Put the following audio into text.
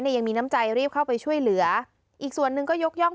ยังมีน้ำใจรีบเข้าไปช่วยเหลืออีกส่วนหนึ่งก็ยกย่อง